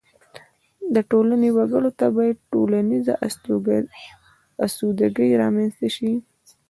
د ټولنې وګړو ته باید ټولیزه اسودګي رامنځته شي.